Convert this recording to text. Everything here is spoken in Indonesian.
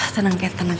tenang cat tenang